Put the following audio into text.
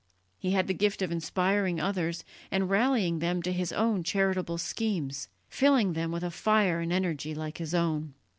He had the gift of inspiring others and rallying them to his own charitable schemes, filling them with a fire and energy like his own.